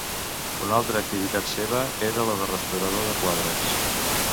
Una altra activitat seva era la de restaurador de quadres.